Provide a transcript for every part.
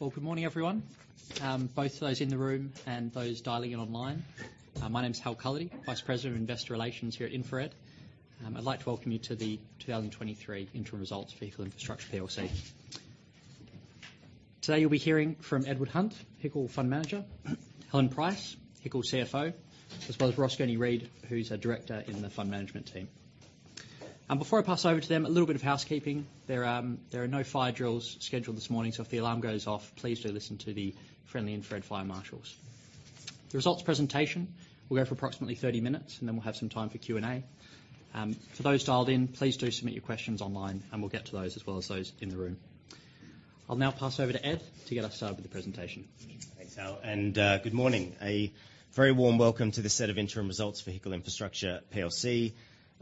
Well, good morning, everyone, both those in the room and those dialing in online. My name is Hal Cullity, Vice President of Investor Relations here at HICL Infrastructure. I'd like to welcome you to the 2023 interim results for HICL Infrastructure PLC. Today, you'll be hearing from Edward Hunt, HICL Fund Manager, Helen Price, HICL CFO, as well as Ross Gurney-Read, who's a director in the fund management team. And before I pass over to them, a little bit of housekeeping. There are no fire drills scheduled this morning, so if the alarm goes off, please do listen to the friendly InfraRed fire marshals. The results presentation will go for approximately 30 minutes, and then we'll have some time for Q&A. For those dialed in, please do submit your questions online and we'll get to those as well as those in the room. I'll now pass over to Ed to get us started with the presentation. Thanks, Hal, and good morning. A very warm welcome to this set of interim results for HICL Infrastructure PLC.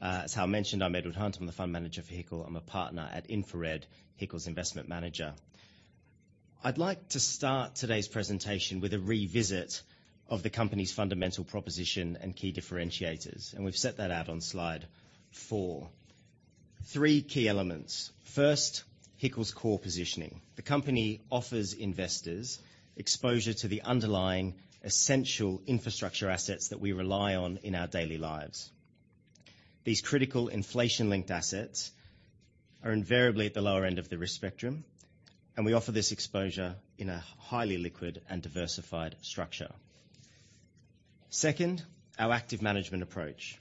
As Hal mentioned, I'm Edward Hunt. I'm the fund manager for HICL. I'm a partner at InfraRed, HICL's investment manager. I'd like to start today's presentation with a revisit of the company's fundamental proposition and key differentiators, and we've set that out on slide four. Three key elements. First, HICL's core positioning. The company offers investors exposure to the underlying essential infrastructure assets that we rely on in our daily lives. These critical inflation-linked assets are invariably at the lower end of the risk spectrum, and we offer this exposure in a highly liquid and diversified structure. Second, our active management approach.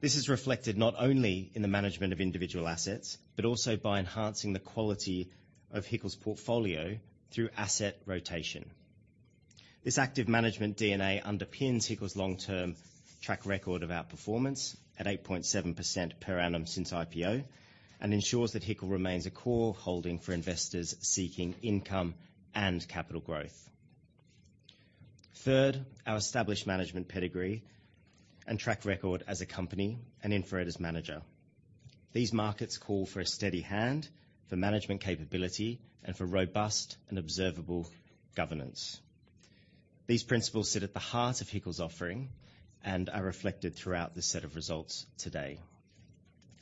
This is reflected not only in the management of individual assets, but also by enhancing the quality of HICL's portfolio through asset rotation. This active management DNA underpins HICL's long-term track record of outperformance at 8.7% per annum since IPO, and ensures that HICL remains a core holding for investors seeking income and capital growth. Third, our established management pedigree and track record as a company and InfraRed as manager. These markets call for a steady hand, for management capability, and for robust and observable governance. These principles sit at the heart of HICL's offering and are reflected throughout this set of results today.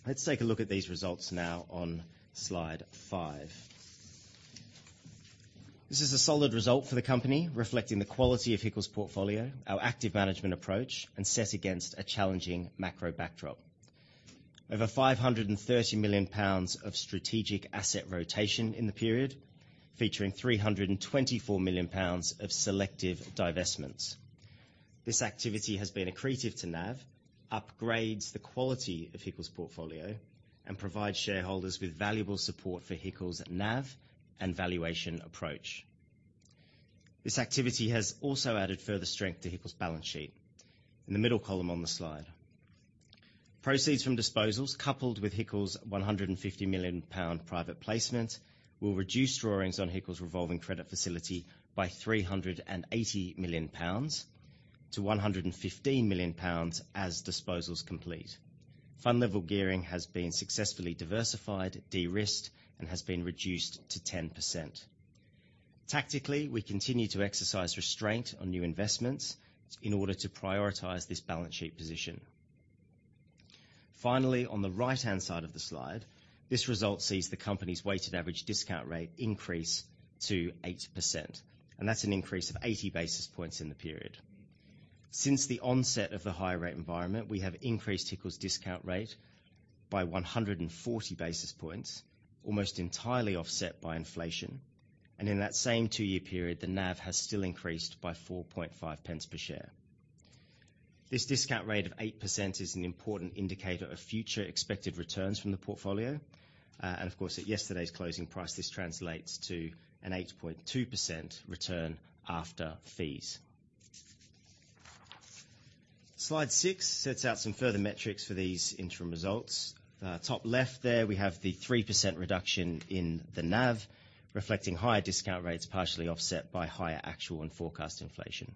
Let's take a look at these results now on slide 5. This is a solid result for the company, reflecting the quality of HICL's portfolio, our active management approach, and set against a challenging macro backdrop. Over 530 million pounds of strategic asset rotation in the period, featuring 324 million pounds of selective divestments. This activity has been accretive to NAV, upgrades the quality of HICL's portfolio, and provides shareholders with valuable support for HICL's NAV and valuation approach. This activity has also added further strength to HICL's balance sheet. In the middle column on the slide. Proceeds from disposals, coupled with HICL's 150 million pound private placement, will reduce drawings on HICL's revolving credit facility by 380 million pounds to 115 million pounds as disposals complete. Fund level gearing has been successfully diversified, de-risked, and has been reduced to 10%. Tactically, we continue to exercise restraint on new investments in order to prioritize this balance sheet position. Finally, on the right-hand side of the slide, this result sees the company's weighted average discount rate increase to 8%, and that's an increase of 80 basis points in the period. Since the onset of the high rate environment, we have increased HICL's discount rate by 140 basis points, almost entirely offset by inflation, and in that same two-year period, the NAV has still increased by 0.045 per share. This discount rate of 8% is an important indicator of future expected returns from the portfolio. And of course, at yesterday's closing price, this translates to an 8.2% return after fees. Slide 6 sets out some further metrics for these interim results. Top left there, we have the 3% reduction in the NAV, reflecting higher discount rates, partially offset by higher actual and forecast inflation.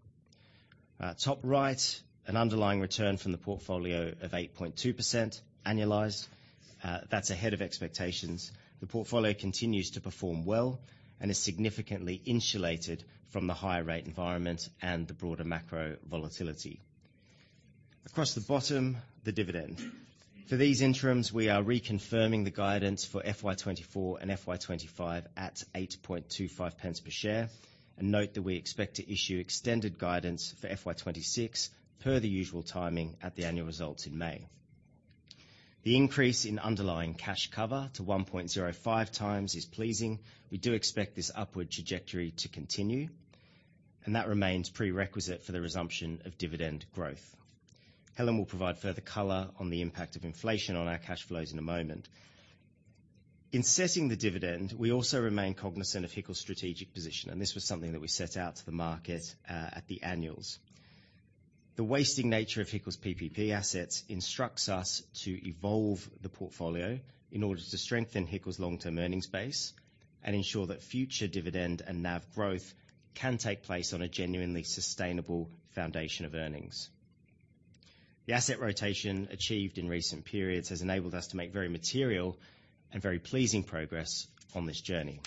Top right, an underlying return from the portfolio of 8.2% annualized. That's ahead of expectations. The portfolio continues to perform well and is significantly insulated from the higher rate environment and the broader macro volatility. Across the bottom, the dividend. For these interims, we are reconfirming the guidance for FY 2024 and FY 2025 at 0.0825 per share, and note that we expect to issue extended guidance for FY 2026 per the usual timing at the annual results in May. The increase in underlying cash cover to 1.05x is pleasing. We do expect this upward trajectory to continue, and that remains prerequisite for the resumption of dividend growth. Helen will provide further color on the impact of inflation on our cash flows in a moment. In setting the dividend, we also remain cognizant of HICL's strategic position, and this was something that we set out to the market at the annuals. The wasting nature of HICL's PPP assets instructs us to evolve the portfolio in order to strengthen HICL's long-term earnings base and ensure that future dividend and NAV growth can take place on a genuinely sustainable foundation of earnings. The asset rotation achieved in recent periods has enabled us to make very material and very pleasing progress on this journey....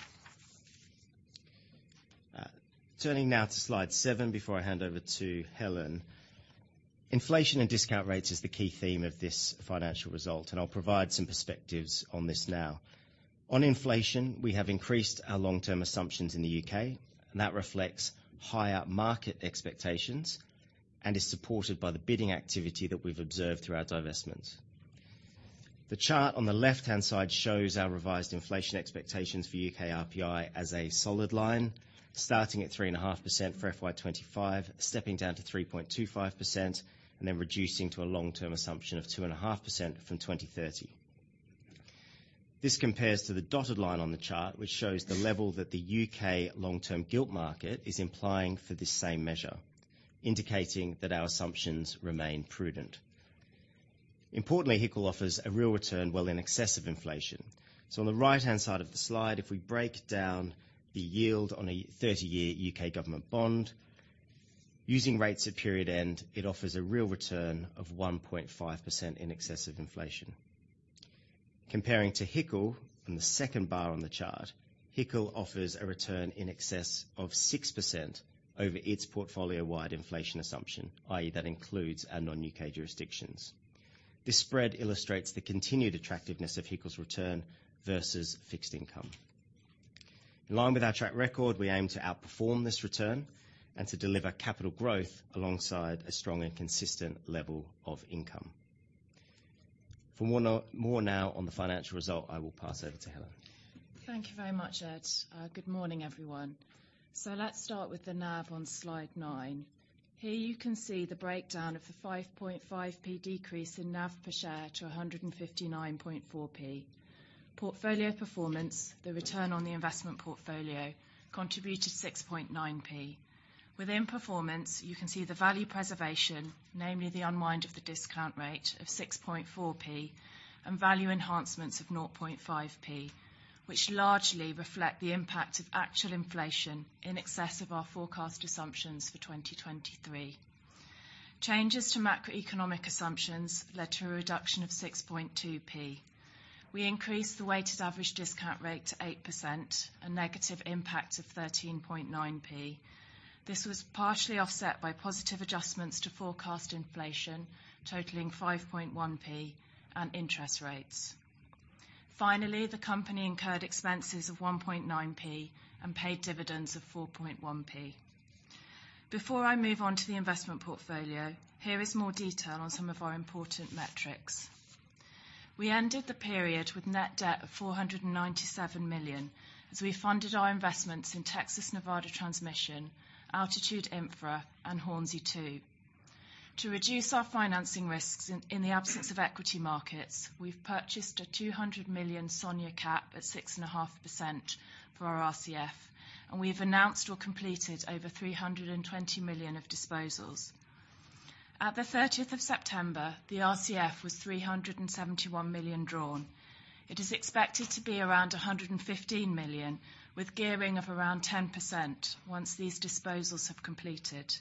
Turning now to Slide 7, before I hand over to Helen. Inflation and discount rates is the key theme of this financial result, and I'll provide some perspectives on this now. On inflation, we have increased our long-term assumptions in the U.K., and that reflects higher market expectations, and is supported by the bidding activity that we've observed through our divestments. The chart on the left-hand side shows our revised inflation expectations for U.K. RPI as a solid line, starting at 3.5% for FY 2025, stepping down to 3.25%, and then reducing to a long-term assumption of 2.5% from 2030. This compares to the dotted line on the chart, which shows the level that the U.K. long-term gilt market is implying for this same measure, indicating that our assumptions remain prudent. Importantly, HICL offers a real return well in excess of inflation. So on the right-hand side of the slide, if we break down the yield on a 30-year U.K. government bond, using rates at period end, it offers a real return of 1.5% in excess of inflation. Comparing to HICL, on the second bar on the chart, HICL offers a return in excess of 6% over its portfolio-wide inflation assumption, i.e., that includes our non-U.K. jurisdictions. This spread illustrates the continued attractiveness of HICL's return versus fixed income. In line with our track record, we aim to outperform this return and to deliver capital growth alongside a strong and consistent level of income. For more now on the financial result, I will pass over to Helen. Thank you very much, Ed. Good morning, everyone. So let's start with the NAV on Slide 9. Here, you can see the breakdown of the 0.055 decrease in NAV per share to 0.1594. Portfolio performance, the return on the investment portfolio, contributed 0.069. Within performance, you can see the value preservation, namely the unwind of the discount rate of 0.064, and value enhancements of 0.005, which largely reflect the impact of actual inflation in excess of our forecast assumptions for 2023. Changes to macroeconomic assumptions led to a reduction of 0.062. We increased the weighted average discount rate to 8%, a negative impact of 0.0139. This was partially offset by positive adjustments to forecast inflation, totaling 0.051, and interest rates. Finally, the company incurred expenses of 0.019 and paid dividends of 0.041. Before I move on to the investment portfolio, here is more detail on some of our important metrics. We ended the period with net debt of 497 million, as we funded our investments in Texas Nevada Transmission, Altitude Infra, and Hornsea 2. To reduce our financing risks in the absence of equity markets, we've purchased a 200 million SONIA cap at 6.5% for our RCF, and we've announced or completed over 320 million of disposals. At 30 September, the RCF was 371 million drawn. It is expected to be around 115 million, with gearing of around 10% once these disposals have completed.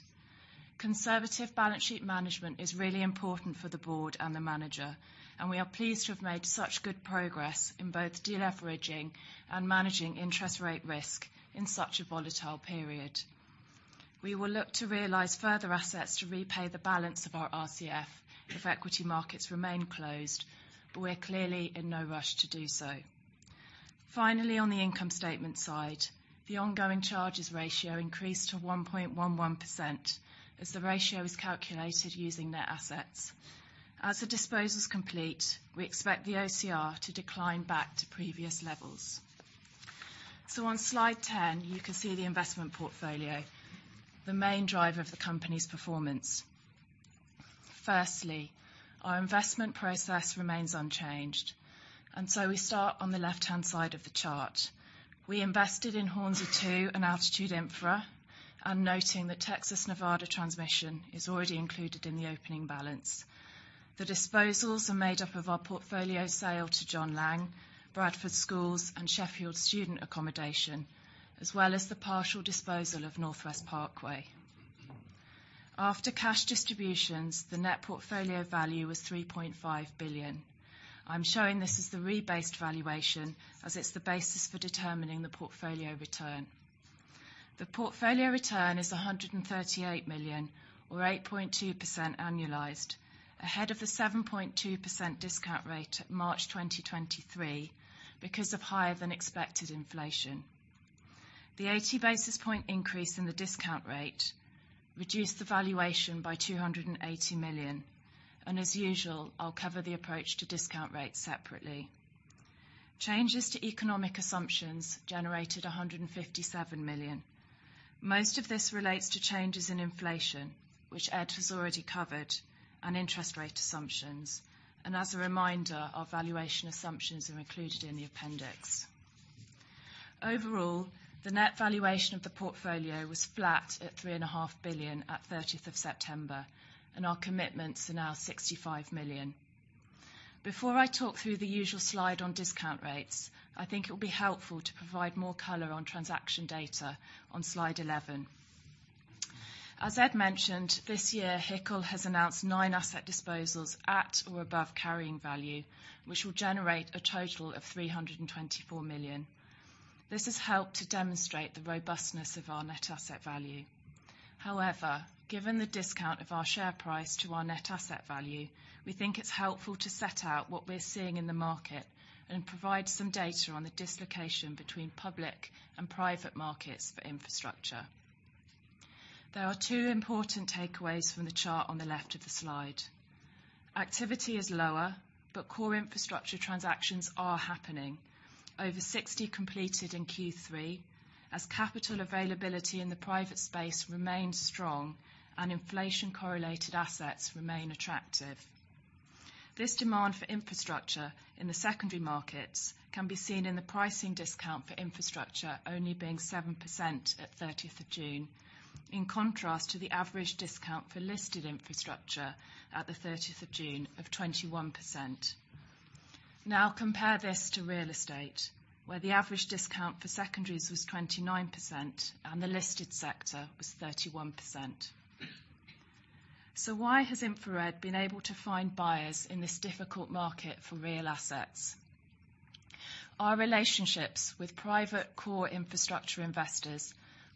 Conservative balance sheet management is really important for the Board and the manager, and we are pleased to have made such good progress in both deleveraging and managing interest rate risk in such a volatile period. We will look to realize further assets to repay the balance of our RCF if equity markets remain closed, but we're clearly in no rush to do so. Finally, on the income statement side, the Ongoing Charges Ratio increased to 1.11%, as the ratio is calculated using net assets. As the disposals complete, we expect the OCR to decline back to previous levels. On Slide 10, you can see the investment portfolio, the main driver of the company's performance. Firstly, our investment process remains unchanged, and so we start on the left-hand side of the chart. We invested in Hornsea 2 and Altitude Infra, and noting that Texas Nevada Transmission is already included in the opening balance. The disposals are made up of our portfolio sale to John Laing, Bradford Schools, and Sheffield Student Accommodation, as well as the partial disposal of Northwest Parkway. After cash distributions, the net portfolio value was 3.5 billion. I'm showing this as the rebased valuation, as it's the basis for determining the portfolio return. The portfolio return is 138 million, or 8.2% annualized, ahead of the 7.2% discount rate at March 2023, because of higher-than-expected inflation. The 80 basis point increase in the discount rate reduced the valuation by 280 million, and as usual, I'll cover the approach to discount rates separately. Changes to economic assumptions generated 157 million. Most of this relates to changes in inflation, which Ed has already covered, and interest rate assumptions. As a reminder, our valuation assumptions are included in the appendix. Overall, the net valuation of the portfolio was flat at 3.5 billion at thirtieth of September, and our commitments are now 65 million. Before I talk through the usual slide on discount rates, I think it will be helpful to provide more color on transaction data on Slide 11.... As Ed mentioned, this year, HICL has announced nine asset disposals at or above carrying value, which will generate a total of 324 million. This has helped to demonstrate the robustness of our net asset value. However, given the discount of our share price to our net asset value, we think it's helpful to set out what we're seeing in the market, and provide some data on the dislocation between public and private markets for infrastructure. There are two important takeaways from the chart on the left of the slide. Activity is lower, but core infrastructure transactions are happening. Over 60 completed in Q3, as capital availability in the private space remains strong and inflation-correlated assets remain attractive. This demand for infrastructure in the secondary markets can be seen in the pricing discount for infrastructure only being 7% at 30th of June, in contrast to the average discount for listed infrastructure at the 30th of June of 21%. Now, compare this to real estate, where the average discount for secondaries was 29% and the listed sector was 31%. So why has InfraRed been able to find buyers in this difficult market for real assets? Our relationships with private core infrastructure investors,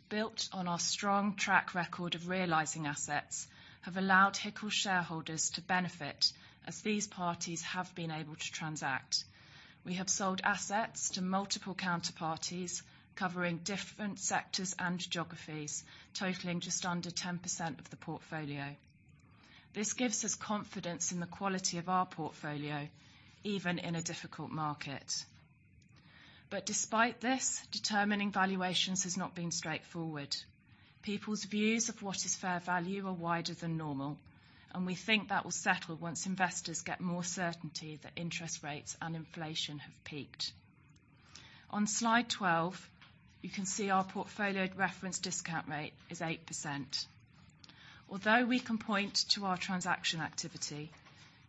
built on our strong track record of realizing assets, have allowed HICL shareholders to benefit as these parties have been able to transact. We have sold assets to multiple counterparties, covering different sectors and geographies, totaling just under 10% of the portfolio. This gives us confidence in the quality of our portfolio, even in a difficult market. But despite this, determining valuations has not been straightforward. People's views of what is fair value are wider than normal, and we think that will settle once investors get more certainty that interest rates and inflation have peaked. On slide 12, you can see our portfolio reference discount rate is 8%. Although we can point to our transaction activity,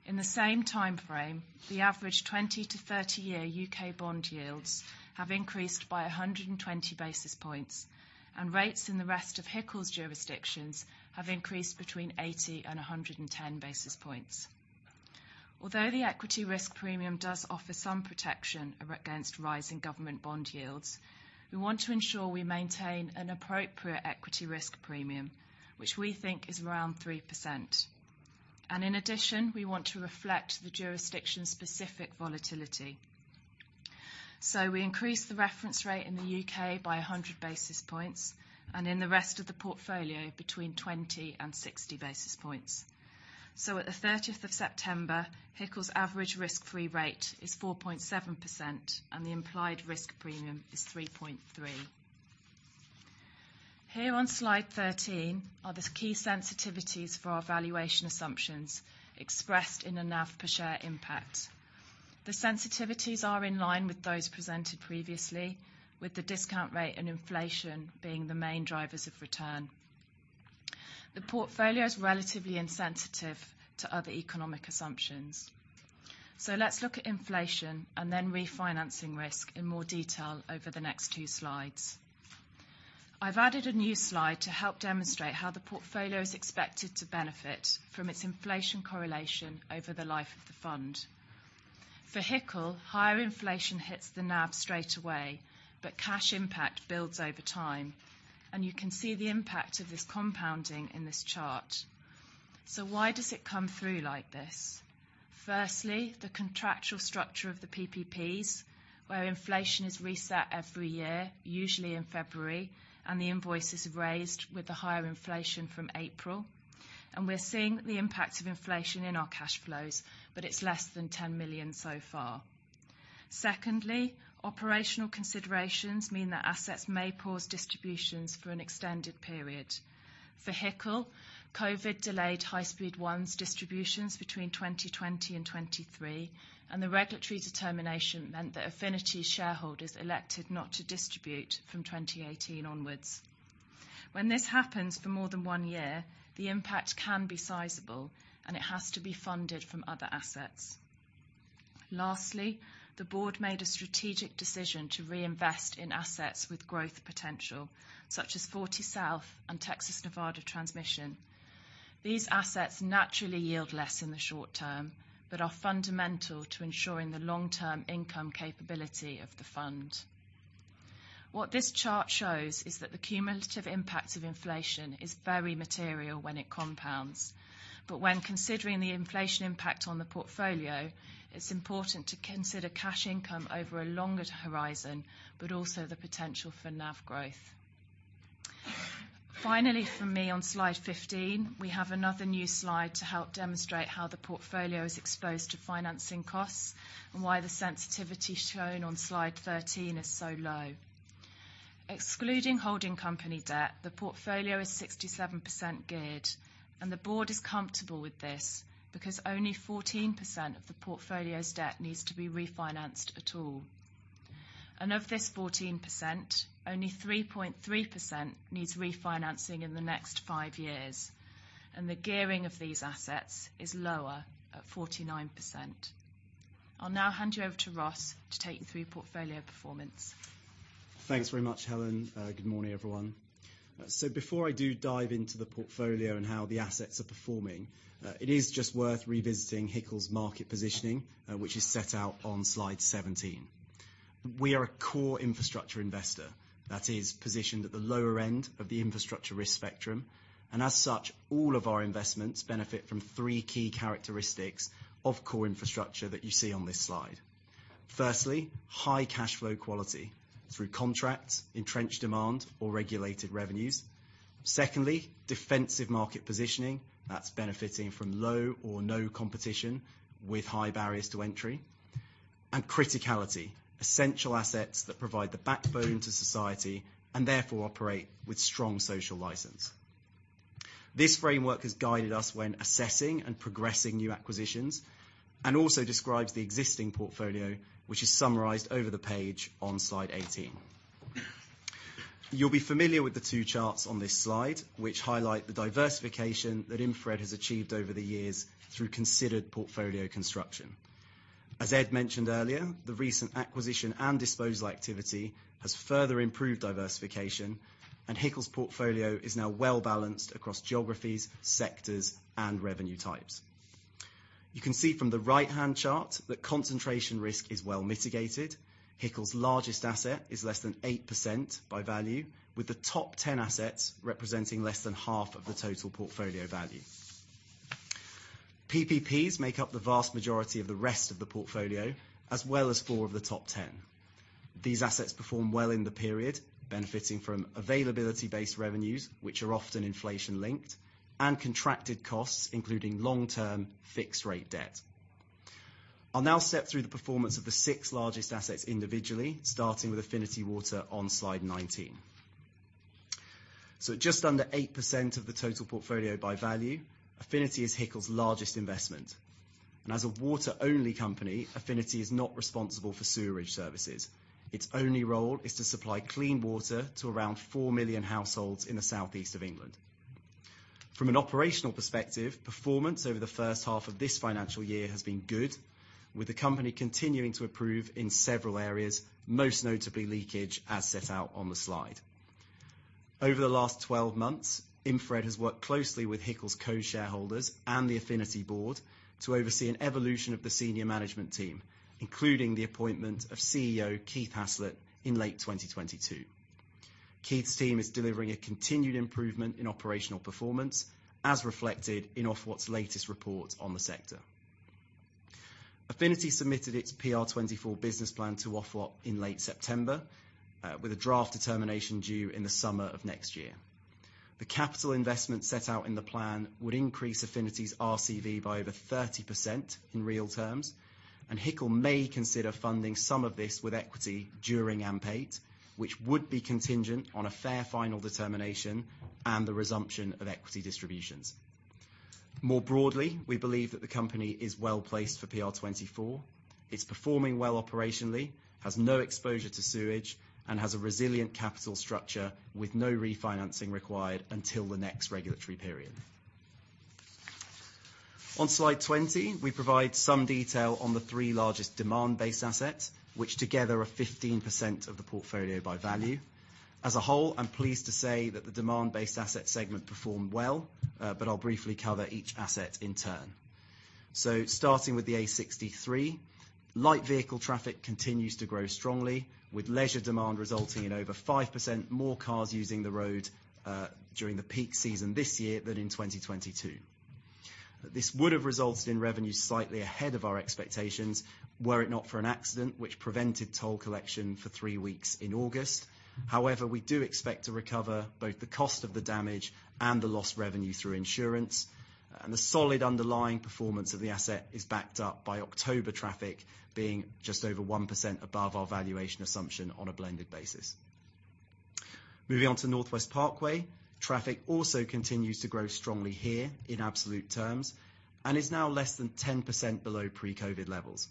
in the same time frame, the average 20- to 30-year U.K. bond yields have increased by 120 basis points, and rates in the rest of HICL's jurisdictions have increased between 80 and 110 basis points. Although the Equity Risk Premium does offer some protection against rising government bond yields, we want to ensure we maintain an appropriate Equity Risk Premium, which we think is around 3%. In addition, we want to reflect the jurisdiction's specific volatility. So we increased the reference rate in the U.K. by 100 basis points, and in the rest of the portfolio, between 20 and 60 basis points. So at the 30th of September, HICL's average risk-free rate is 4.7%, and the implied risk premium is 3.3. Here, on slide 13, are the key sensitivities for our valuation assumptions, expressed in a NAV per share impact. The sensitivities are in line with those presented previously, with the discount rate and inflation being the main drivers of return. The portfolio is relatively insensitive to other economic assumptions. Let's look at inflation and then refinancing risk in more detail over the next 2 slides. I've added a new slide to help demonstrate how the portfolio is expected to benefit from its inflation correlation over the life of the fund. For HICL, higher inflation hits the NAV straight away, but cash impact builds over time, and you can see the impact of this compounding in this chart. Why does it come through like this? Firstly, the contractual structure of the PPPs, where inflation is reset every year, usually in February, and the invoices are raised with the higher inflation from April. We're seeing the impact of inflation in our cash flows, but it's less than 10 million so far. Secondly, operational considerations mean that assets may pause distributions for an extended period. For HICL, COVID delayed High Speed 1's distributions between 2020 and 2023, and the regulatory determination meant that Affinity shareholders elected not to distribute from 2018 onwards. When this happens for more than one year, the impact can be sizable, and it has to be funded from other assets. Lastly, the Board made a strategic decision to reinvest in assets with growth potential, such as Fortysouth and Texas Nevada Transmission. These assets naturally yield less in the short term, but are fundamental to ensuring the long-term income capability of the fund. What this chart shows is that the cumulative impact of inflation is very material when it compounds. When considering the inflation impact on the portfolio, it's important to consider cash income over a longer horizon, but also the potential for NAV growth. Finally, for me, on slide 15, we have another new slide to help demonstrate how the portfolio is exposed to financing costs, and why the sensitivity shown on slide 13 is so low. Excluding holding company debt, the portfolio is 67% geared, and the Board is comfortable with this, because only 14% of the portfolio's debt needs to be refinanced at all. Of this 14%, only 3.3% needs refinancing in the next five years, and the gearing of these assets is lower, at 49%. I'll now hand you over to Ross to take you through portfolio performance. Thanks very much, Helen. Good morning, everyone. So before I do dive into the portfolio and how the assets are performing, it is just worth revisiting HICL's market positioning, which is set out on slide 17. We are a core infrastructure investor, that is positioned at the lower end of the infrastructure risk spectrum, and as such, all of our investments benefit from three key characteristics of core infrastructure that you see on this slide. Firstly, high cash flow quality through contracts, entrenched demand, or regulated revenues. Secondly, defensive market positioning, that's benefiting from low or no competition with high barriers to entry. And criticality, essential assets that provide the backbone to society and therefore operate with strong social license. This framework has guided us when assessing and progressing new acquisitions, and also describes the existing portfolio, which is summarized over the page on slide 18. You'll be familiar with the two charts on this slide, which highlight the diversification that HICL Infrastructure has achieved over the years through considered portfolio construction. As Ed mentioned earlier, the recent acquisition and disposal activity has further improved diversification, and HICL's portfolio is now well-balanced across geographies, sectors, and revenue types. You can see from the right-hand chart that concentration risk is well mitigated. HICL's largest asset is less than 8% by value, with the top 10 assets representing less than half of the total portfolio value. PPPs make up the vast majority of the rest of the portfolio, as well as four of the top 10. These assets perform well in the period, benefiting from availability-based revenues, which are often inflation-linked, and contracted costs, including long-term fixed rate debt. I'll now step through the performance of the six largest assets individually, starting with Affinity Water on Slide 19. So just under 8% of the total portfolio by value, Affinity is HICL's largest investment. As a water-only company, Affinity is not responsible for sewerage services. Its only role is to supply clean water to around 4 million households in the southeast of England. From an operational perspective, performance over the first half of this financial year has been good, with the company continuing to improve in several areas, most notably leakage, as set out on the slide. Over the last 12 months, InfraRed has worked closely with HICL's co-shareholders and the Affinity Board to oversee an evolution of the senior management team, including the appointment of CEO Keith Haslett in late 2022. Keith's team is delivering a continued improvement in operational performance, as reflected in Ofwat's latest report on the sector. Affinity submitted its PR24 business plan to Ofwat in late September, with a draft determination due in the summer of next year. The capital investment set out in the plan would increase Affinity's RCV by over 30% in real terms, and HICL may consider funding some of this with equity during AMP8, which would be contingent on a fair final determination and the resumption of equity distributions. More broadly, we believe that the company is well-placed for PR24. It's performing well operationally, has no exposure to sewage, and has a resilient capital structure with no refinancing required until the next regulatory period. On Slide 20, we provide some detail on the three largest demand-based assets, which together are 15% of the portfolio by value. As a whole, I'm pleased to say that the demand-based asset segment performed well, but I'll briefly cover each asset in turn. So starting with the A63, light vehicle traffic continues to grow strongly, with leisure demand resulting in over 5% more cars using the road during the peak season this year than in 2022. This would have resulted in revenues slightly ahead of our expectations, were it not for an accident which prevented toll collection for three weeks in August. However, we do expect to recover both the cost of the damage and the lost revenue through insurance, and the solid underlying performance of the asset is backed up by October traffic being just over 1% above our valuation assumption on a blended basis. Moving on to Northwest Parkway, traffic also continues to grow strongly here in absolute terms, and is now less than 10% below pre-COVID levels.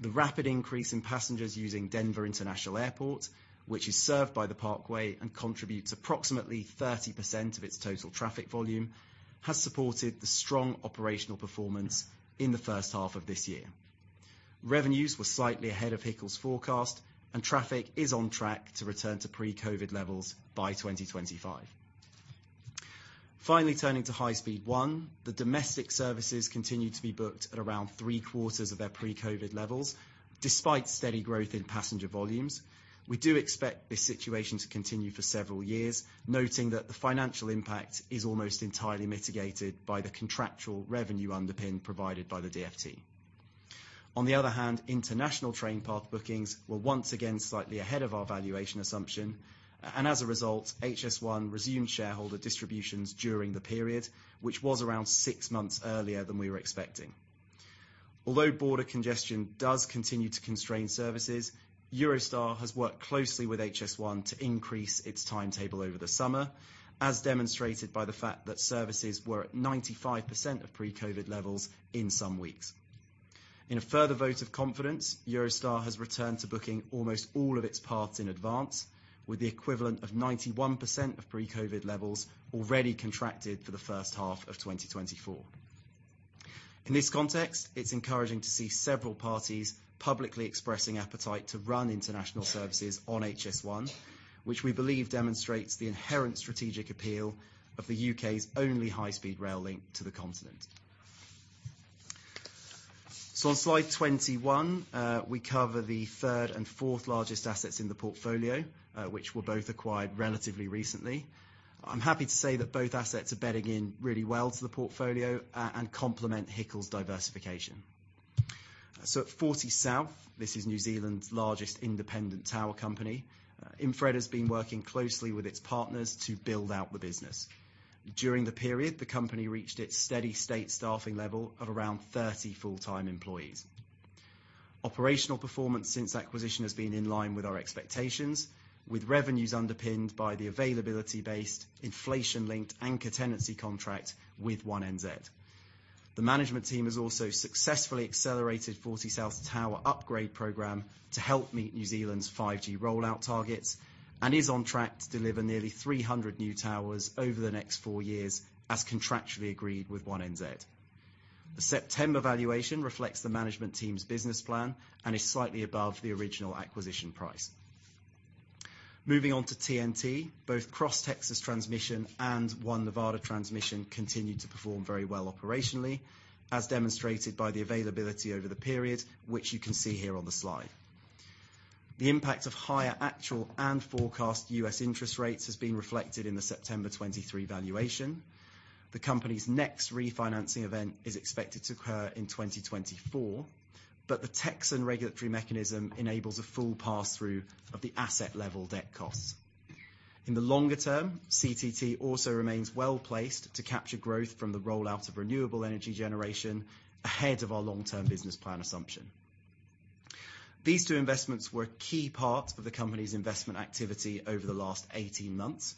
The rapid increase in passengers using Denver International Airport, which is served by the Parkway and contributes approximately 30% of its total traffic volume, has supported the strong operational performance in the first half of this year. Revenues were slightly ahead of HICL's forecast, and traffic is on track to return to pre-COVID levels by 2025. Finally, turning to High Speed 1, the domestic services continue to be booked at around three-quarters of their pre-COVID levels, despite steady growth in passenger volumes. We do expect this situation to continue for several years, noting that the financial impact is almost entirely mitigated by the contractual revenue underpin provided by the DfT. On the other hand, international train path bookings were once again slightly ahead of our valuation assumption, and as a result, HS1 resumed shareholder distributions during the period, which was around six months earlier than we were expecting. Although border congestion does continue to constrain services, Eurostar has worked closely with HS1 to increase its timetable over the summer, as demonstrated by the fact that services were at 95% of pre-COVID levels in some weeks. In a further vote of confidence, Eurostar has returned to booking almost all of its paths in advance, with the equivalent of 91% of pre-COVID levels already contracted for the first half of 2024.... In this context, it's encouraging to see several parties publicly expressing appetite to run international services on HS1, which we believe demonstrates the inherent strategic appeal of the U.K.'s only high-speed rail link to the continent. So on slide 21, we cover the third and fourth largest assets in the portfolio, which were both acquired relatively recently. I'm happy to say that both assets are bedding in really well to the portfolio, and complement HICL's diversification. So at Fortysouth, this is New Zealand's largest independent tower company. InfraRed has been working closely with its partners to build out the business. During the period, the company reached its steady-state staffing level of around 30 full-time employees. Operational performance since acquisition has been in line with our expectations, with revenues underpinned by the availability-based, inflation-linked anchor tenancy contract with One NZ. The management team has also successfully accelerated Fortysouth's tower upgrade program to help meet New Zealand's 5G rollout targets, and is on track to deliver nearly 300 new towers over the next four years, as contractually agreed with One NZ. The September valuation reflects the management team's business plan and is slightly above the original acquisition price. Moving on to TNT, both Cross Texas Transmission and One Nevada Transmission continued to perform very well operationally, as demonstrated by the availability over the period, which you can see here on the slide. The impact of higher actual and forecast U.S. interest rates has been reflected in the September 2023 valuation. The company's next refinancing event is expected to occur in 2024, but the Texan regulatory mechanism enables a full pass-through of the asset-level debt costs. In the longer term, CTT also remains well-placed to capture growth from the rollout of renewable energy generation ahead of our long-term business plan assumption. These two investments were a key part of the company's investment activity over the last 18 months,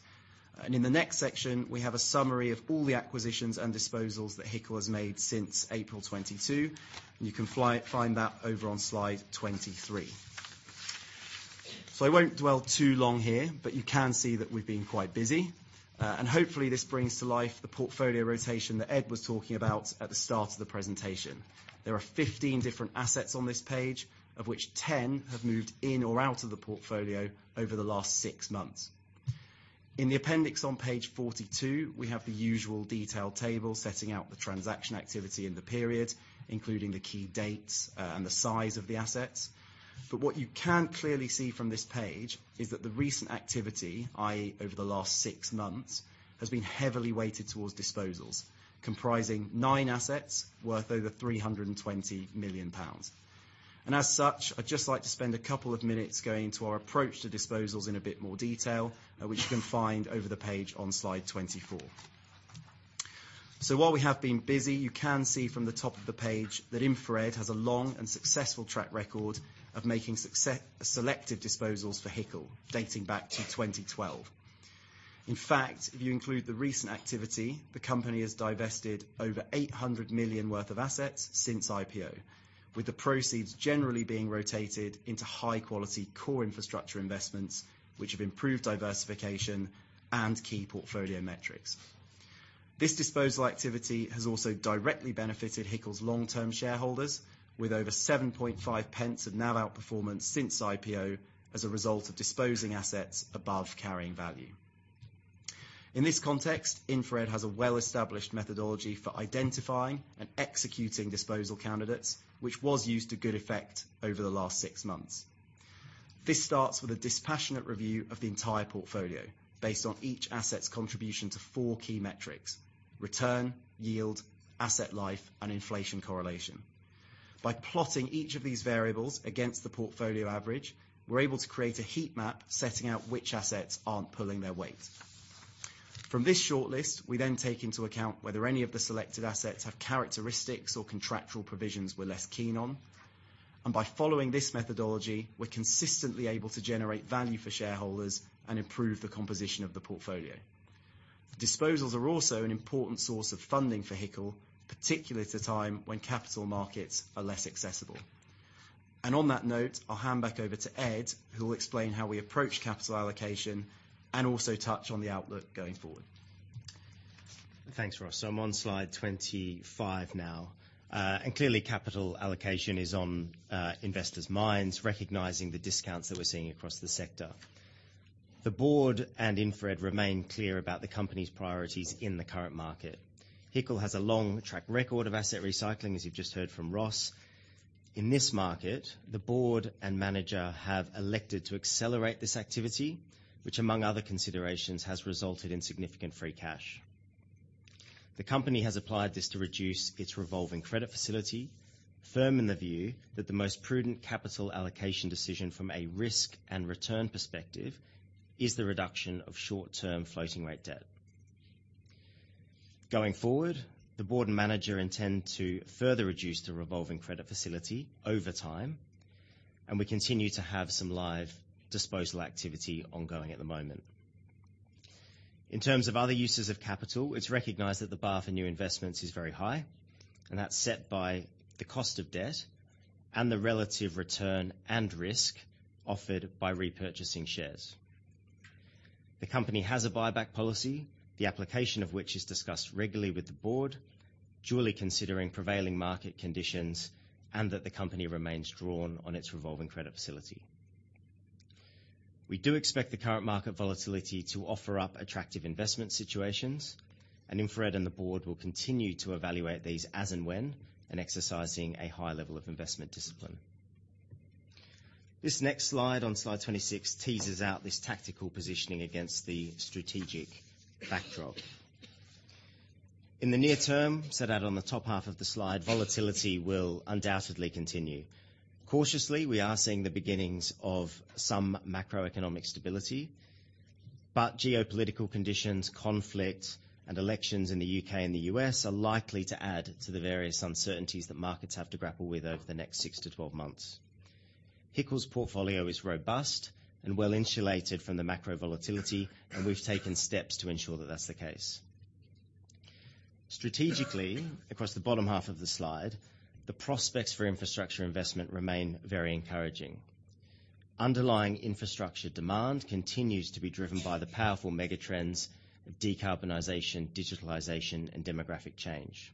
and in the next section, we have a summary of all the acquisitions and disposals that HICL has made since April 2022, and you can find that over on slide 23. So I won't dwell too long here, but you can see that we've been quite busy. And hopefully, this brings to life the portfolio rotation that Ed was talking about at the start of the presentation. There are 15 different assets on this page, of which 10 have moved in or out of the portfolio over the last 6 months. In the appendix on page 42, we have the usual detailed table setting out the transaction activity in the period, including the key dates, and the size of the assets. But what you can clearly see from this page is that the recent activity, i.e., over the last 6 months, has been heavily weighted towards disposals, comprising 9 assets worth over 320 million pounds. And as such, I'd just like to spend a couple of minutes going into our approach to disposals in a bit more detail, which you can find over the page on slide 24. So while we have been busy, you can see from the top of the page that InfraRed has a long and successful track record of making selective disposals for HICL, dating back to 2012. In fact, if you include the recent activity, the company has divested over 800 million worth of assets since IPO, with the proceeds generally being rotated into high-quality core infrastructure investments, which have improved diversification and key portfolio metrics. This disposal activity has also directly benefited HICL's long-term shareholders, with over 0.075 pence of NAV outperformance since IPO as a result of disposing assets above carrying value. In this context, InfraRed has a well-established methodology for identifying and executing disposal candidates, which was used to good effect over the last six months. This starts with a dispassionate review of the entire portfolio, based on each asset's contribution to four key metrics: return, yield, asset life, and inflation correlation. By plotting each of these variables against the portfolio average, we're able to create a heat map setting out which assets aren't pulling their weight. From this shortlist, we then take into account whether any of the selected assets have characteristics or contractual provisions we're less keen on, and by following this methodology, we're consistently able to generate value for shareholders and improve the composition of the portfolio. Disposals are also an important source of funding for HICL, particularly at a time when capital markets are less accessible. On that note, I'll hand back over to Ed, who will explain how we approach capital allocation and also touch on the outlook going forward. Thanks, Ross. So I'm on slide 25 now. And clearly, capital allocation is on investors' minds, recognizing the discounts that we're seeing across the sector. The Board and InfraRed remain clear about the company's priorities in the current market. HICL has a long track record of asset recycling, as you've just heard from Ross. In this market, the Board and manager have elected to accelerate this activity, which, among other considerations, has resulted in significant free cash. The company has applied this to reduce its revolving credit facility, firm in the view that the most prudent capital allocation decision from a risk and return perspective is the reduction of short-term floating rate debt. Going forward, the Board and manager intend to further reduce the revolving credit facility over time, and we continue to have some live disposal activity ongoing at the moment. In terms of other uses of capital, it's recognized that the bar for new investments is very high, and that's set by the cost of debt and the relative return and risk offered by repurchasing shares. The company has a buyback policy, the application of which is discussed regularly with the Board, duly considering prevailing market conditions, and that the company remains drawn on its revolving credit facility. We do expect the current market volatility to offer up attractive investment situations, and InfraRed and the Board will continue to evaluate these as and when, and exercising a high level of investment discipline. This next slide, on slide 26, teases out this tactical positioning against the strategic backdrop. In the near term, set out on the top half of the slide, volatility will undoubtedly continue. Cautiously, we are seeing the beginnings of some macroeconomic stability, but geopolitical conditions, conflict, and elections in the U.K. and the U.S. are likely to add to the various uncertainties that markets have to grapple with over the next 6-12 months. HICL's portfolio is robust and well-insulated from the macro volatility, and we've taken steps to ensure that that's the case. Strategically, across the bottom half of the slide, the prospects for infrastructure investment remain very encouraging. Underlying infrastructure demand continues to be driven by the powerful mega trends of decarbonization, digitalization, and demographic change.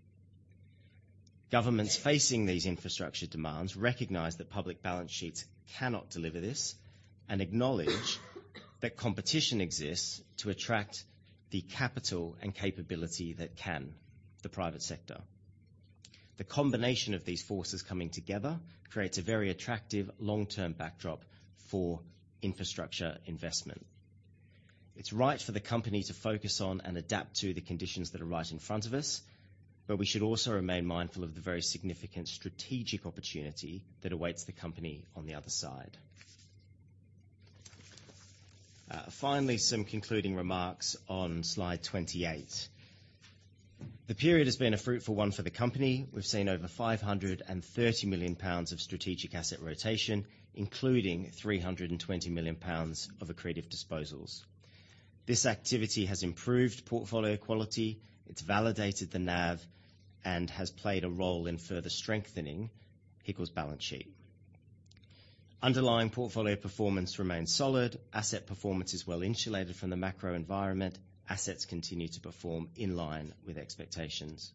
Governments facing these infrastructure demands recognize that public balance sheets cannot deliver this, and acknowledge that competition exists to attract the capital and capability that can, the private sector. The combination of these forces coming together creates a very attractive long-term backdrop for infrastructure investment. It's right for the company to focus on and adapt to the conditions that are right in front of us, but we should also remain mindful of the very significant strategic opportunity that awaits the company on the other side. Finally, some concluding remarks on slide 28. The period has been a fruitful one for the company. We've seen over 530 million pounds of strategic asset rotation, including 320 million pounds of accretive disposals. This activity has improved portfolio quality, it's validated the NAV, and has played a role in further strengthening HICL's balance sheet. Underlying portfolio performance remains solid. Asset performance is well insulated from the macro environment. Assets continue to perform in line with expectations.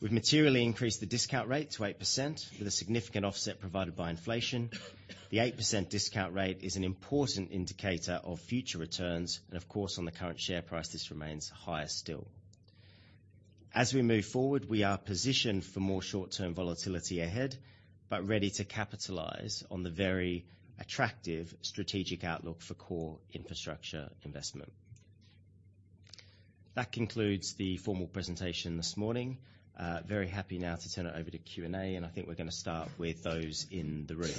We've materially increased the discount rate to 8%, with a significant offset provided by inflation. The 8% discount rate is an important indicator of future returns, and of course, on the current share price, this remains higher still. As we move forward, we are positioned for more short-term volatility ahead, but ready to capitalize on the very attractive strategic outlook for core infrastructure investment. That concludes the formal presentation this morning. Very happy now to turn it over to Q&A, and I think we're going to start with those in the room.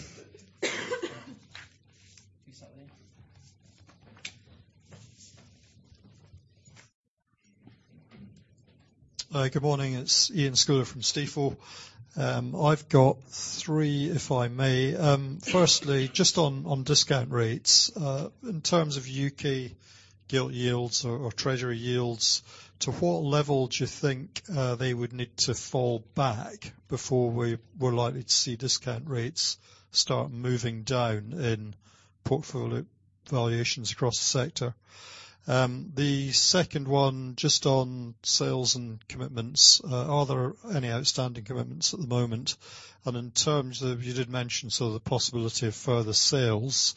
Hi, good morning, it's Iain Scouller from Stifel. I've got three, if I may. Firstly, just on, on discount rates. In terms of U.K. gilt yields or, or Treasury yields, to what level do you think, they would need to fall back before we were likely to see discount rates start moving down in portfolio valuations across the sector? The second one, just on sales and commitments. Are there any outstanding commitments at the moment? And in terms of... You did mention sort of the possibility of further sales.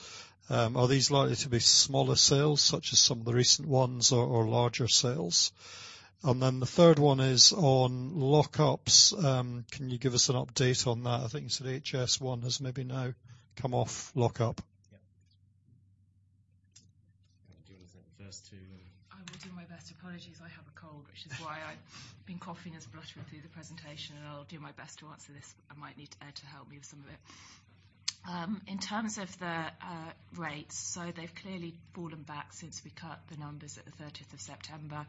Are these likely to be smaller sales, such as some of the recent ones, or, or larger sales? And then the third one is on lockups. Can you give us an update on that? I think you said HS1 has maybe now come off lockup. Yeah. Do you want to do the first two? I will do my best. Apologies, I have a cold, which is why I've been coughing as I rush through the presentation, and I'll do my best to answer this. I might need Ed to help me with some of it. In terms of the rates, so they've clearly fallen back since we cut the numbers at the 30th of September.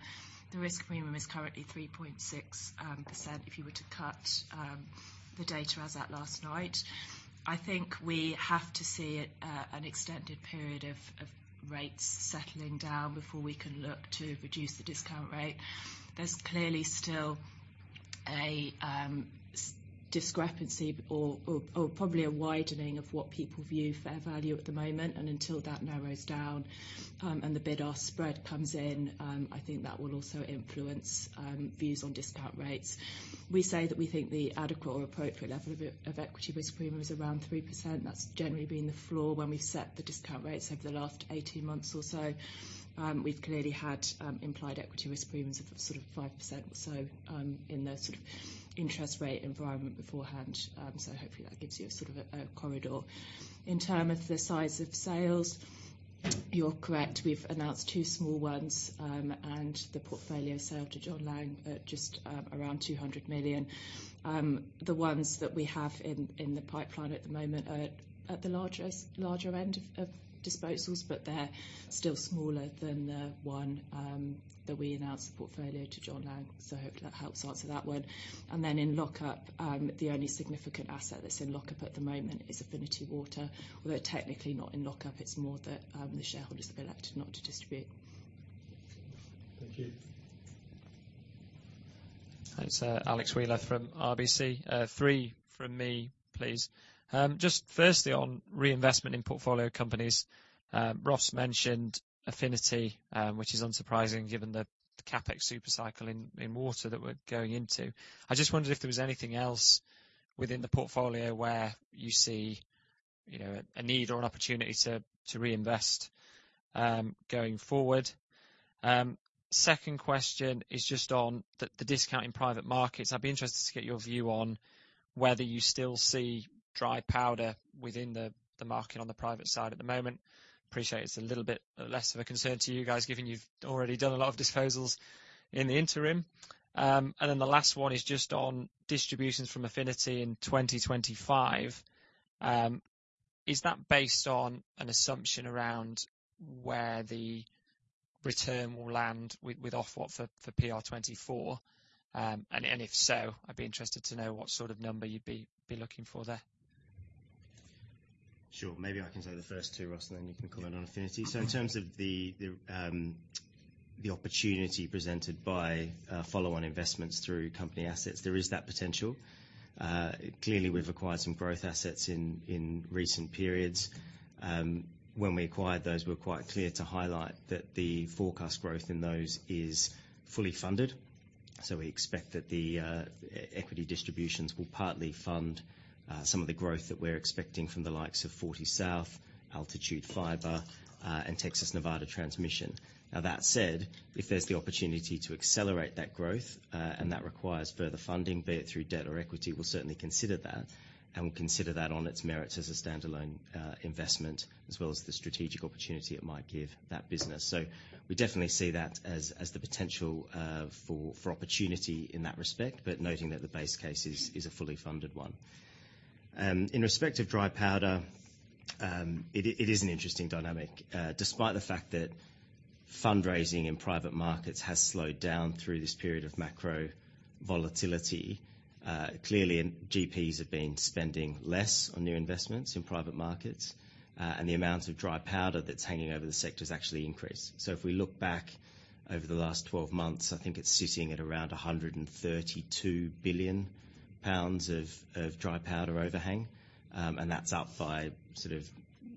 The risk premium is currently 3.6%, if you were to cut the data as at last night. I think we have to see an extended period of rates settling down before we can look to reduce the discount rate. There's clearly still a discrepancy or probably a widening of what people view fair value at the moment, and until that narrows down, and the bid-ask spread comes in, I think that will also influence views on discount rates. We say that we think the adequate or appropriate level of Equity Risk Premium is around 3%. That's generally been the floor when we've set the discount rates over the last 18 months or so. We've clearly had implied Equity Risk Premiums of sort of 5% or so, in the sort of interest rate environment beforehand. So hopefully, that gives you a sort of a corridor. In terms of the size of sales, you're correct, we've announced 2 small ones, and the portfolio sale to John Laing at just around 200 million. The ones that we have in the pipeline at the moment are at the larger end of disposals, but they're still smaller than the one that we announced the portfolio to John Laing. So hopefully that helps answer that one. And then in lockup, the only significant asset that's in lockup at the moment is Affinity Water, although technically not in lockup, it's more that the shareholders have elected not to distribute. Thank you. It's Alex Wheeler from RBC. Three from me, please. Just firstly, on reinvestment in portfolio companies, Ross mentioned Affinity, which is unsurprising given the CapEx super cycle in water that we're going into. I just wondered if there was anything else within the portfolio where you see, you know, a need or an opportunity to reinvest, going forward. Second question is just on the discount in private markets. I'd be interested to get your view on whether you still see dry powder within the market on the private side at the moment. Appreciate it's a little bit less of a concern to you guys, given you've already done a lot of disposals in the interim. And then the last one is just on distributions from Affinity in 2025. Is that based on an assumption around where the return will land with Ofwat for PR24? And if so, I'd be interested to know what sort of number you'd be looking for there. Sure. Maybe I can take the first two, Ross, and then you can comment on Affinity. So in terms of the opportunity presented by follow-on investments through company assets, there is that potential. Clearly, we've acquired some growth assets in recent periods. When we acquired those, we were quite clear to highlight that the forecast growth in those is fully funded, so we expect that the equity distributions will partly fund some of the growth that we're expecting from the likes of Fortysouth, Altitude Infra, and Texas Nevada Transmission. Now, that said, if there's the opportunity to accelerate that growth, and that requires further funding, be it through debt or equity, we'll certainly consider that, and we'll consider that on its merits as a standalone investment, as well as the strategic opportunity it might give that business. So we definitely see that as the potential for opportunity in that respect, but noting that the base case is a fully funded one. In respect of dry powder, it is an interesting dynamic. Despite the fact that fundraising in private markets has slowed down through this period of macro volatility, clearly, and GPs have been spending less on new investments in private markets, and the amount of dry powder that's hanging over the sector has actually increased. So if we look back over the last twelve months, I think it's sitting at around 132 billion pounds of dry powder overhang, and that's up by sort of,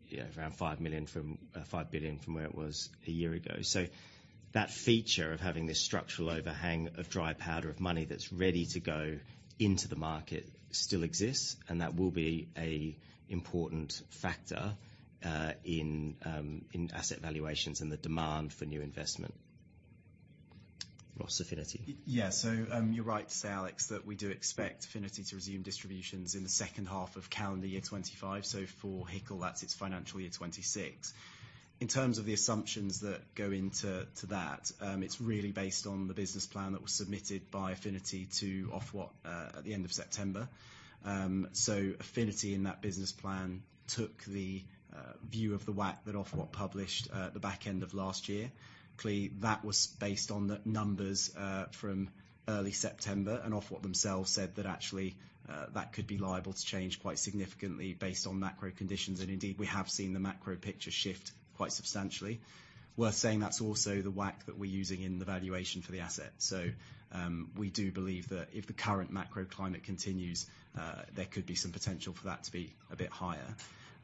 yeah, around 5 billion from where it was a year ago. So that feature of having this structural overhang of dry powder of money that's ready to go into the market still exists, and that will be a important factor in asset valuations and the demand for new investment. Ross, Affinity? Yeah. So, you're right to say, Alex, that we do expect Affinity to resume distributions in the second half of calendar year 2025. So for HICL, that's its financial year, 2026. In terms of the assumptions that go into that, it's really based on the business plan that was submitted by Affinity to Ofwat at the end of September. So Affinity, in that business plan, took the view of the WACC that Ofwat published at the back end of last year. Clearly, that was based on the numbers from early September, and Ofwat themselves said that actually, that could be liable to change quite significantly based on macro conditions, and indeed, we have seen the macro picture shift quite substantially. Worth saying, that's also the WACC that we're using in the valuation for the asset. So, we do believe that if the current macro climate continues, there could be some potential for that to be a bit higher.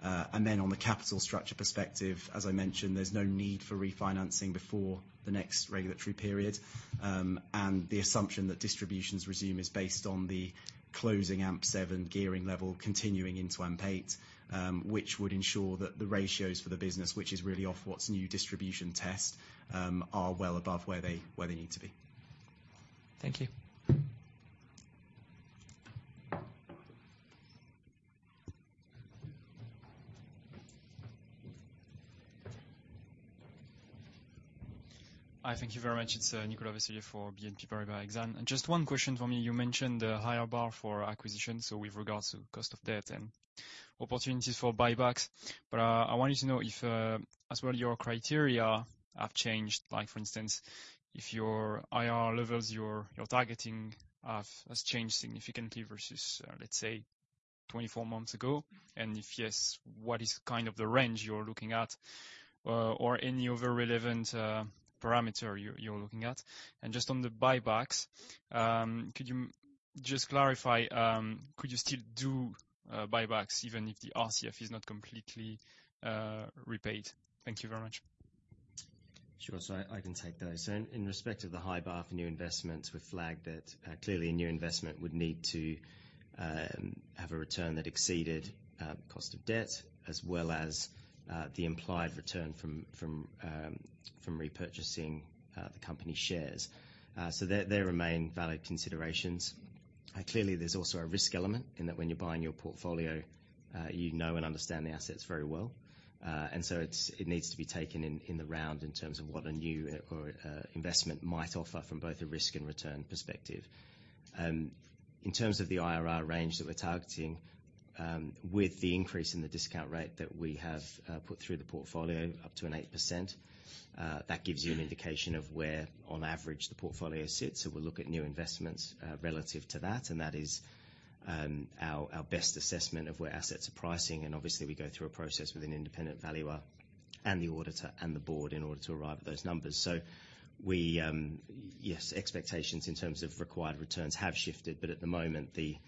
And then on the capital structure perspective, as I mentioned, there's no need for refinancing before the next regulatory period, and the assumption that distributions resume is based on the closing AMP7 gearing level continuing into AMP8, which would ensure that the ratios for the business, which is really Ofwat's new distribution test, are well above where they need to be. Thank you. Hi, thank you very much. It's Nicolas Vaysselier for BNP Paribas Exane. Just one question for me. You mentioned the higher bar for acquisition, so with regards to cost of debt and opportunities for buybacks. But I wanted to know if, as well, your criteria have changed. Like, for instance, if your IR levels, your targeting, has changed significantly versus, let's say, 24 months ago, and if yes, what is kind of the range you're looking at, or any other relevant parameter you're looking at? And just on the buybacks, could you just clarify, could you still do buybacks even if the RCF is not completely repaid? Thank you very much. Sure. So I can take those. So in respect of the high bar for new investments, we flagged that, clearly a new investment would need to have a return that exceeded cost of debt, as well as the implied return from repurchasing the company's shares. So they remain valid considerations. Clearly, there's also a risk element in that when you're buying your portfolio, you know and understand the assets very well. And so it needs to be taken in the round in terms of what a new or investment might offer from both a risk and return perspective. In terms of the IRR range that we're targeting, with the increase in the discount rate that we have put through the portfolio, up to 8%, that gives you an indication of where, on average, the portfolio sits, so we'll look at new investments relative to that, and that is our best assessment of where assets are pricing, and obviously we go through a process with an independent valuer and the auditor and the Board in order to arrive at those numbers. So we, yes, expectations in terms of required returns have shifted, but at the moment, the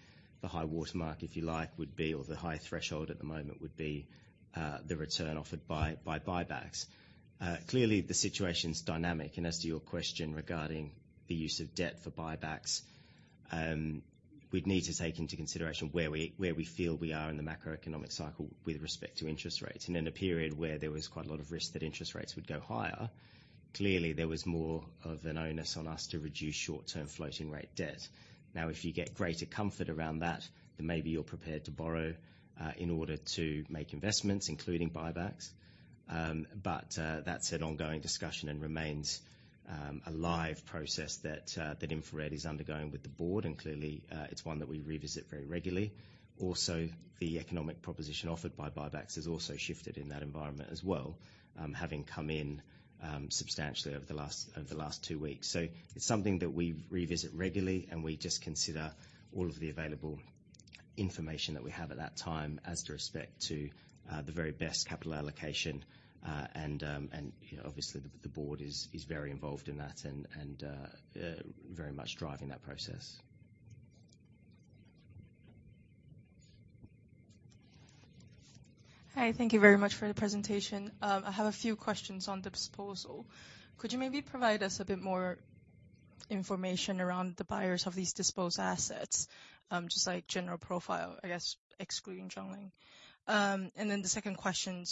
high watermark, if you like, would be, or the high threshold at the moment would be, the return offered by buybacks. Clearly, the situation is dynamic, and as to your question regarding the use of debt for buybacks, we'd need to take into consideration where we feel we are in the macroeconomic cycle with respect to interest rates. In a period where there was quite a lot of risk that interest rates would go higher, clearly there was more of an onus on us to reduce short-term floating rate debt. Now, if you get greater comfort around that, then maybe you're prepared to borrow in order to make investments, including buybacks. But that's an ongoing discussion and remains a live process that InfraRed is undergoing with the Board, and clearly it's one that we revisit very regularly. Also, the economic proposition offered by buybacks has also shifted in that environment as well, having come in substantially over the last two weeks. So it's something that we revisit regularly, and we just consider all of the available information that we have at that time as to respect to the very best capital allocation. And obviously, the Board is very involved in that and very much driving that process. Hi, thank you very much for the presentation. I have a few questions on the disposal. Could you maybe provide us a bit more information around the buyers of these disposed assets? Just like general profile, I guess, excluding John Laing. And then the second question,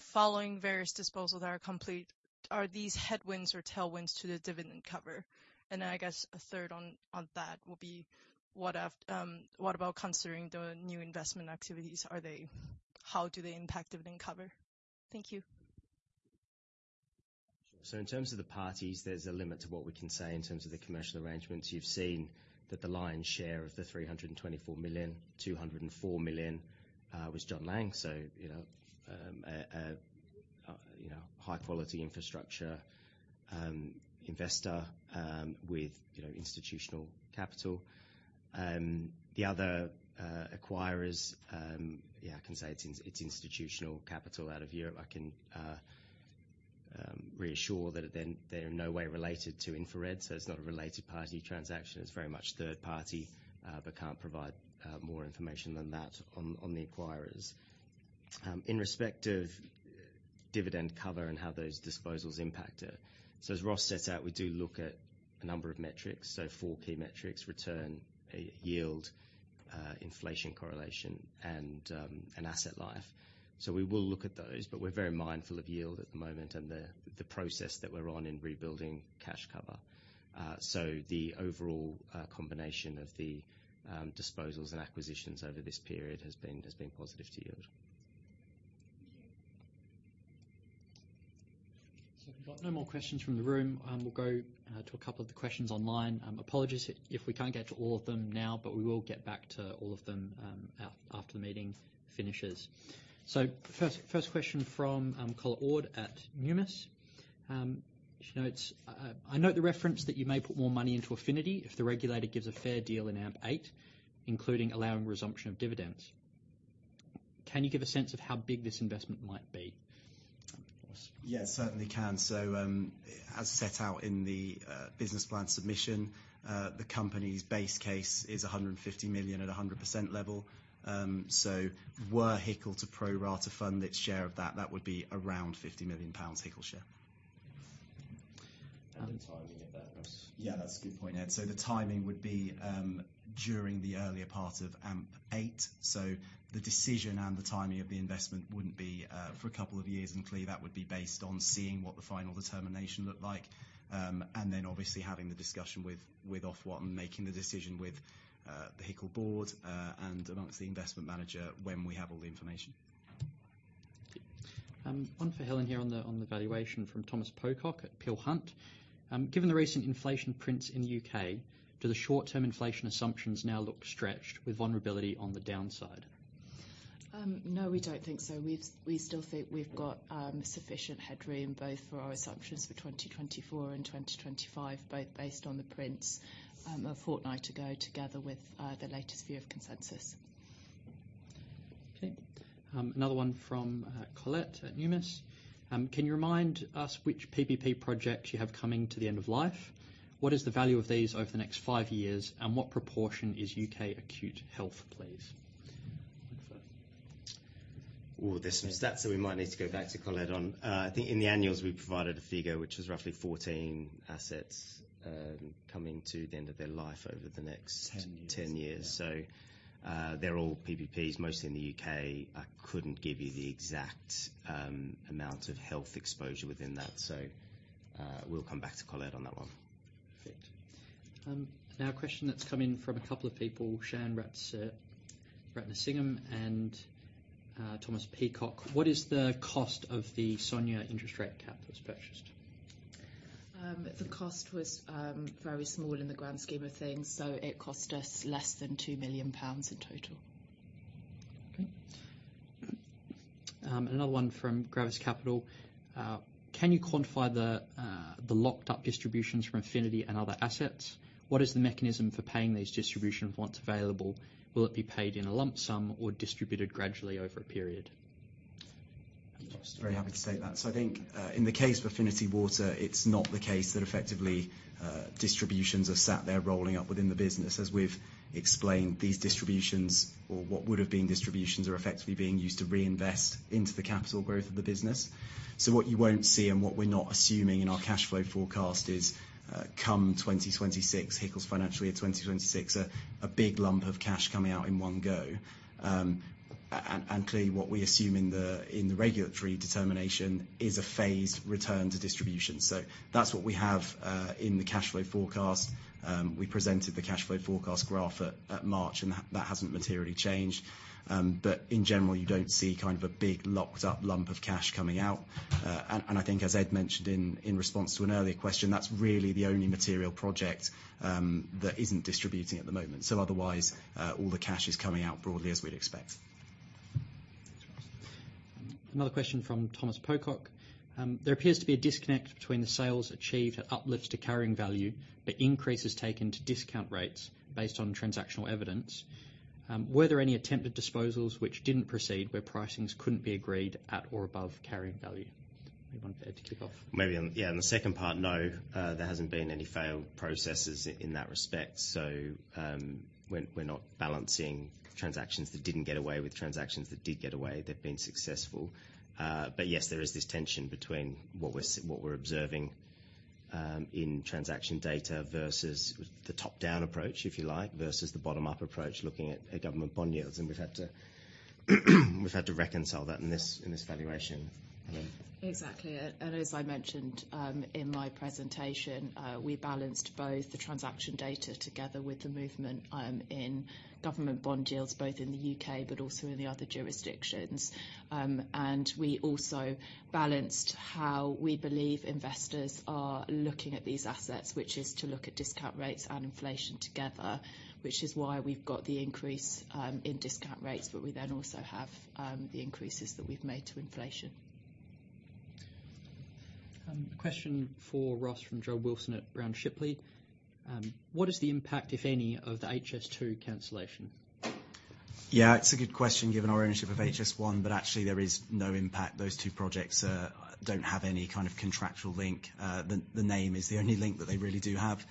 following various disposals that are complete, are these headwinds or tailwinds to the dividend cover? And then, I guess a third on that will be what about considering the new investment activities, are they—how do they impact dividend cover? Thank you. So in terms of the parties, there's a limit to what we can say in terms of the commercial arrangements. You've seen that the lion's share of the 324 million, 204 million was John Laing. So, you know, you know, high-quality infrastructure investor with, you know, institutional capital. The other acquirers, yeah, I can say it's it's institutional capital out of Europe. I can reassure that they are in no way related to InfraRed, so it's not a related party transaction. It's very much third party, but can't provide more information than that on the acquirers. In respect of dividend cover and how those disposals impact it, so as Ross set out, we do look at a number of metrics. So four key metrics: return, yield, inflation correlation, and asset life. So we will look at those, but we're very mindful of yield at the moment and the process that we're on in rebuilding cash cover. So the overall combination of the disposals and acquisitions over this period has been positive to yield. So we've got no more questions from the room. We'll go to a couple of the questions online. Apologies if we can't get to all of them now, but we will get back to all of them after the meeting finishes. So first, first question from Colette Ord at Numis. She notes, I note the reference that you may put more money into Affinity if the regulator gives a fair deal in AMP8, including allowing resumption of dividends. Can you give a sense of how big this investment might be? Yes, certainly can. So, as set out in the business plan submission, the company's base case is 150 million at 100% level. So were HICL to pro rata fund its share of that, that would be around 50 million pounds HICL share. The timing of that, Ross? Yeah, that's a good point, Ed. So the timing would be during the earlier part of AMP8. So the decision and the timing of the investment wouldn't be for a couple of years, and clearly, that would be based on seeing what the final determination looked like. And then obviously having the discussion with Ofwat and making the decision with the HICL Board, and amongst the investment manager when we have all the information. One for Helen here on the valuation from Thomas Pocock at Peel Hunt. Given the recent inflation prints in the U.K., do the short-term inflation assumptions now look stretched with vulnerability on the downside? No, we don't think so. We still think we've got sufficient headroom both for our assumptions for 2024 and 2025, both based on the prints a fortnight ago, together with the latest view of consensus. Okay. Another one from Colette at Numis. Can you remind us which PPP projects you have coming to the end of life? What is the value of these over the next five years, and what proportion is U.K. acute health, please? Ooh, there's some stats that we might need to go back to Colette on. I think in the annuals, we provided a figure, which was roughly 14 assets, coming to the end of their life over the next- Ten years. -10 years. So, they're all PPPs, mostly in the U.K. I couldn't give you the exact amount of health exposure within that, so, we'll come back to Colette on that one. Thanks. Now a question that's come in from a couple of people, Shayan Ratnasingam and Thomas Pocock. What is the cost of the SONIA interest rate cap that was purchased? The cost was very small in the grand scheme of things, so it cost us less than 2 million pounds in total. Another one from Gravis Capital. Can you quantify the locked up distributions from Affinity and other assets? What is the mechanism for paying these distributions once available? Will it be paid in a lump sum or distributed gradually over a period? Very happy to state that. So I think, in the case of Affinity Water, it's not the case that effectively, distributions are sat there rolling up within the business. As we've explained, these distributions, or what would have been distributions, are effectively being used to reinvest into the capital growth of the business. So what you won't see and what we're not assuming in our cash flow forecast is, come 2026, HICL's financial year 2026, a big lump of cash coming out in one go. And clearly, what we assume in the regulatory determination is a phased return to distribution. So that's what we have in the cash flow forecast. We presented the cash flow forecast graph at March, and that hasn't materially changed. In general, you don't see kind of a big, locked up lump of cash coming out. I think as Ed mentioned in response to an earlier question, that's really the only material project that isn't distributing at the moment. Otherwise, all the cash is coming out broadly as we'd expect. Another question from Thomas Pocock. There appears to be a disconnect between the sales achieved at uplifts to carrying value, but increases taken to discount rates based on transactional evidence. Were there any attempted disposals which didn't proceed, where pricings couldn't be agreed at or above carrying value? Maybe one for Ed to kick off. Maybe on... Yeah, on the second part, no, there hasn't been any failed processes in that respect, so, we're not balancing transactions that didn't get away with transactions that did get away, that have been successful. But yes, there is this tension between what we're observing in transaction data versus the top-down approach, if you like, versus the bottom-up approach, looking at government bond yields. And we've had to reconcile that in this valuation. Helen? Exactly. And as I mentioned, in my presentation, we balanced both the transaction data together with the movement, in government bond yields, both in the U.K., but also in the other jurisdictions. And we also balanced how we believe investors are looking at these assets, which is to look at discount rates and inflation together, which is why we've got the increase, in discount rates, but we then also have, the increases that we've made to inflation. A question for Ross from Joe Wilson at Brown Shipley. What is the impact, if any, of the HS2 cancellation? Yeah, it's a good question, given our ownership of HS1, but actually, there is no impact. Those two projects don't have any kind of contractual link. The name is the only link that they really do have.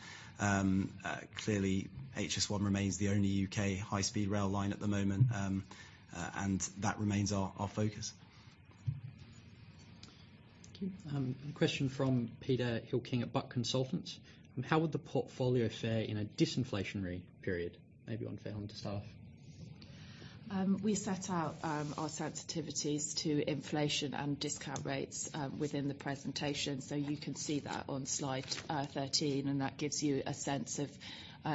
Clearly, HS1 remains the only U.K. high-speed rail line at the moment, and that remains our focus. Thank you. Question from Peter Hill-King at Buck Consultants. How would the portfolio fare in a disinflationary period? Maybe one for Helen to start off. We set out our sensitivities to inflation and discount rates within the presentation, so you can see that on slide 13, and that gives you a sense of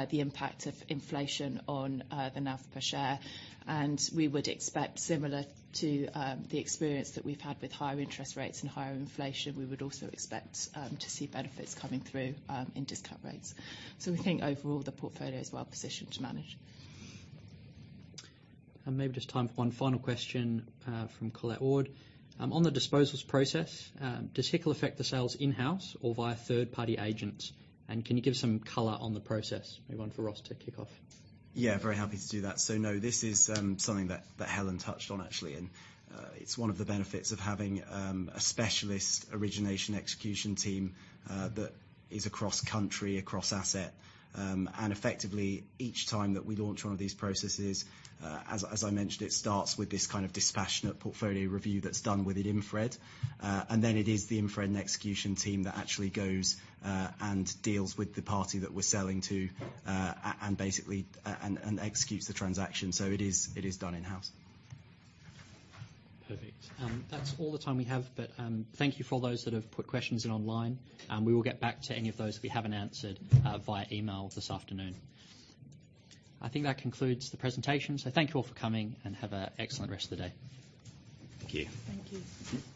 the impact of inflation on the NAV per share. And we would expect, similar to the experience that we've had with higher interest rates and higher inflation, we would also expect to see benefits coming through in discount rates. So we think overall, the portfolio is well positioned to manage. Maybe just time for one final question f++rom Colette Ord. On the disposals process, does HICL affect the sales in-house or via third-party agents? And can you give some color on the process? Maybe one for Ross to kick off. Yeah, very happy to do that. So no, this is something that Helen touched on, actually, and it's one of the benefits of having a specialist origination execution team that is across country, across asset. And effectively, each time that we launch one of these processes, as I mentioned, it starts with this kind of dispassionate portfolio review that's done within InfraRed. And then it is the InfraRed execution team that actually goes and deals with the party that we're selling to and basically executes the transaction. So it is done in-house. Perfect. That's all the time we have, but, thank you for those that have put questions in online. We will get back to any of those we haven't answered, via email this afternoon. I think that concludes the presentation. Thank you all for coming, and have an excellent rest of the day. Thank you. Thank you.